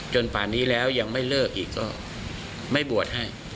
ป่านนี้แล้วยังไม่เลิกอีกก็ไม่บวชให้